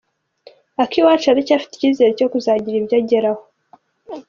Akiwacu aracyafite icyizere cyo kuzagira ibyo ageraho.